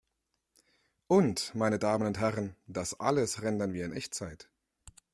Und, meine Damen und Herren, das alles rendern wir in Echtzeit